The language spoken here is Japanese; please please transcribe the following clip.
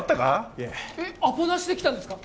いええアポなしで来たんですか？